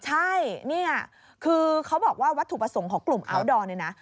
ใช่นี่คือเขาบอกว่าวัตถุประสงค์ของกลุ่มอัลดอร์เนี่ยนะ